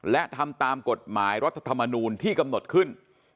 และทำตามกฎหมายรัฐธรรมนูลที่กำหนดขึ้น